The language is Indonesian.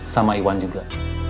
sama iwan juga